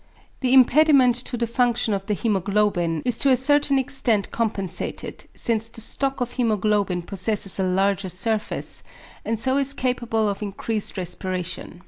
The impediment to the function of the hæmoglobin is to a certain extent compensated, since the stock of hæmoglobin possesses a larger surface, and so is capable of increased respiration.